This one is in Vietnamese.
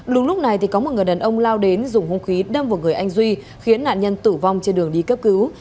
đúng lúc này có một người đàn ông lao đến dùng hung khí đâm vào người anh duy khiến nạn nhân tử vong trên đường đi cấp cứu